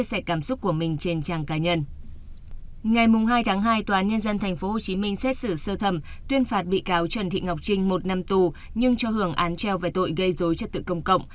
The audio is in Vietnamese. ngày hai tháng hai tòa án nhân dân tp hcm xét xử sơ thẩm tuyên phạt bị cáo trần thị ngọc trinh một năm tù nhưng cho hưởng án treo về tội gây dối trật tự công cộng